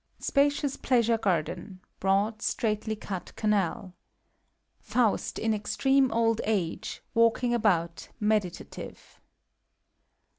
Spacious Pleasure Gabden : bboad, stbaiohtlt cut Canal. Faust (in extreme old age, walking about, meditative).